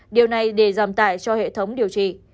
điều này để giảm tải cho hệ thống điều trị